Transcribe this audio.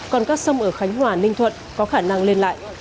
còn các sông ở khánh hòa ninh thuận có khả năng lên lại